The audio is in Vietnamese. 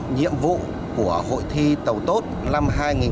nhiệm vụ của hội thi tàu tốt năm hai nghìn một mươi bảy